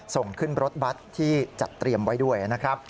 ส่งขึ้นรถบัตรที่จัดเตรียมไว้ด้วยนะครับ